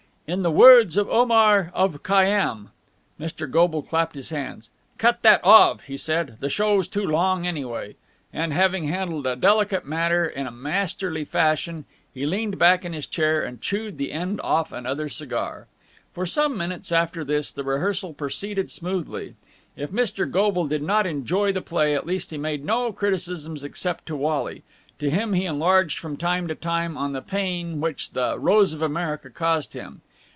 "' In the words of Omar of Khayyám'...." Mr. Goble clapped his hands. "Cut that 'of,'" he said. "The show's too long, anyway." And, having handled a delicate matter in masterly fashion, he leaned back in his chair and chewed the end off another cigar. For some minutes after this the rehearsal proceeded smoothly. If Mr. Goble did not enjoy the play, at least he made no criticisms except to Wally. To him he enlarged from time to time on the pain which "The Rose of America" caused him.